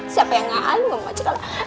siapa yang nghaluk